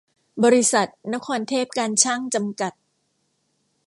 บริษัท นครเทพการช่าง จำกัด